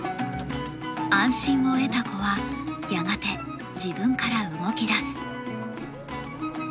安心を得た子はやがて自分から動き出す。